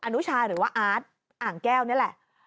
อนุชาหรือว่าอาร์ตอ่างแก้วนี่แหละ